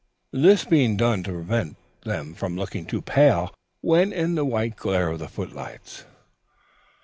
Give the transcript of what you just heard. This being done to prevent them from looking too pale when in the white glare of the footlights.